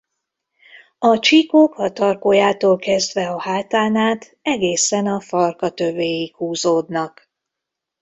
A csíkok a tarkójától kezdve a hátán át egészen a farka tövéig húzódnak.